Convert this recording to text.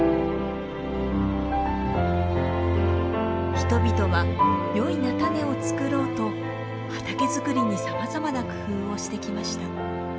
人々はよい菜種を作ろうと畑づくりにさまざまな工夫をしてきました。